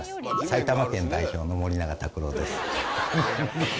埼玉県代表の森永卓郎です。